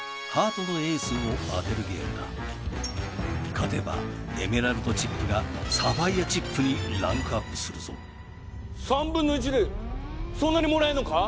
勝てばエメラルドチップがサファイアチップにランクアップするぞ３分の１でそんなにもらえるのか？